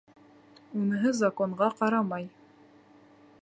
Уныһы законға ҡарамай.